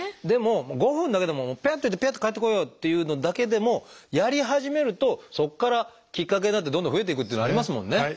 でも５分だけでもパッてやってパッて帰ってこようっていうのだけでもやり始めるとそこからきっかけになってどんどん増えていくっていうのありますもんね。